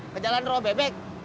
ke jalan roh bebek